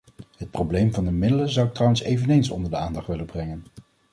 Het probleem van de middelen zou ik trouwens eveneens onder de aandacht willen brengen.